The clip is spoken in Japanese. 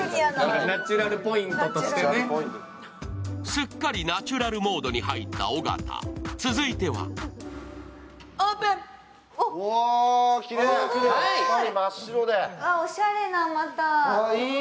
すっかりナチュラルモードに入った尾形、続いてはおしゃれな、また。